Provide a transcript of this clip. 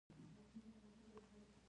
د میرمنو کار د نوښت هڅوي.